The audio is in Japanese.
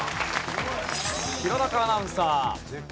弘中アナウンサー。